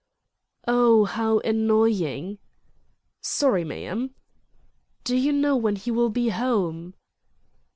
"Oh, how annoying!" "Sorry, ma'am." "Do you know when he will be home?"